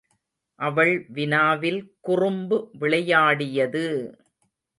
அவள் வினாவில் குறும்பு விளையாடியது!